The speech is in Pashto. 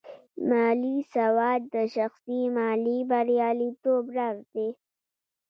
مالي سواد د شخصي مالي بریالیتوب راز دی.